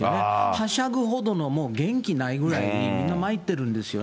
はしゃぐほどのもう元気ないぐらいに、みんなまいってるんですよね。